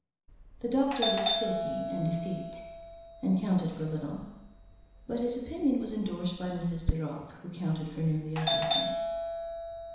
The doctor was silky and effete, and counted for little, but his opinion was endorsed by Mrs. de Ropp, who counted for nearly everything.